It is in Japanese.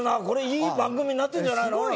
これいい番組なってるんじゃないの？